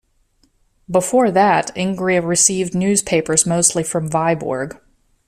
Before that Ingria received newspapers mostly from Vyborg.